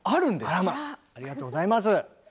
あら、まあありがとうございます。